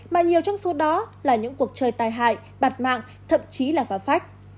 mà nhiều trong số đó là những cuộc chơi tài hại bạt mạng thậm chí là phá phách